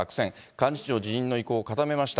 幹事長辞任の意向を固めました。